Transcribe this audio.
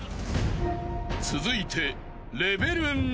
［続いて］